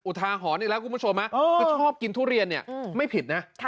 ทาหรณ์อีกแล้วคุณผู้ชมคือชอบกินทุเรียนเนี่ยไม่ผิดนะ